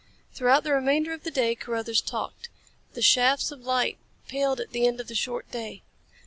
Throughout the remainder of the day Carruthers talked. The shafts of light paled at the end of the short day.